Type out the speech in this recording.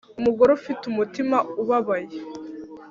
Umugore ufite umutima ubabaye